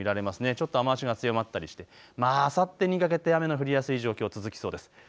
ちょっと雨足が強まったりしてあさってにかけて雨の降りやすい状況続きそうです。